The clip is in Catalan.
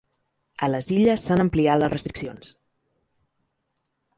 A les Illes s’han ampliat les restriccions.